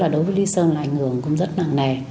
đối với lý sơn là ảnh hưởng cũng rất nặng nề